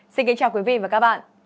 xin kính chào quý vị và các bạn